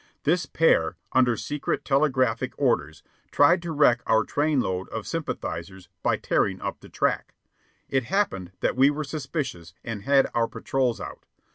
This pair, under secret telegraphic orders, tried to wreck our train load of sympathizers by tearing up the track. It happened that we were suspicious and had our patrols out.